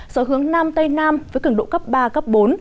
gió hướng nam tây nam với cường độ cấp ba cấp bốn